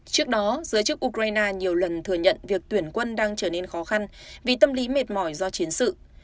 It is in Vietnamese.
trước đó giới chức ukraine nhiều lần thừa nhận việc tuyển quân đang trở nên khó khăn vì tâm lý mệt mỏi do chiến sự